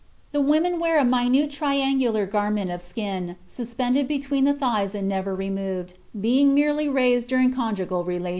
The women wear a minute triangular garment of skin suspended between the thighs and never removed, being merely raised during conjugal relations.